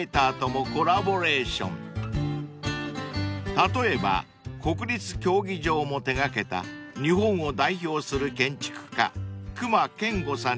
［例えば国立競技場も手掛けた日本を代表する建築家隈研吾さんによる］